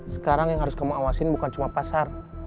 sekarang yang harus kamu awasin bukan cuma pasar